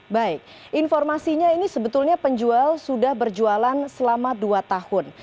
baik informasinya ini sebetulnya penjual sudah berjualan selama dua tahun